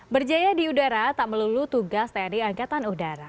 berjaya di udara tak melulu tugas tni angkatan udara